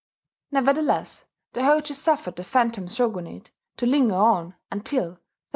Nevertheless the Hojo suffered the phantom shogunate to linger on, until 1333.